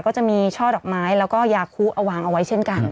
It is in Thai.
ก็จะมีช่อดอกไม้แล้วก็ยาคุเอาวางเอาไว้เช่นกัน